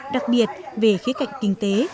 đặc biệt về khía cạnh kinh tế